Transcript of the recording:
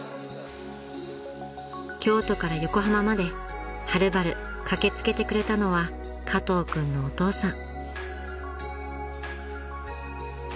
［京都から横浜まではるばる駆け付けてくれたのは加藤君のお父さん］